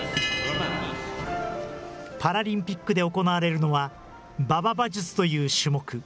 パラリンピックで行われるのは、馬場馬術という種目。